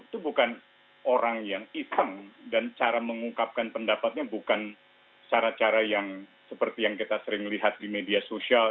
itu bukan orang yang hitam dan cara mengungkapkan pendapatnya bukan cara cara yang seperti yang kita sering lihat di media sosial